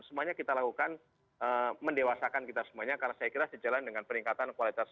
semuanya kita lakukan mendewasakan kita semuanya karena saya kira sejalan dengan peningkatan kualitas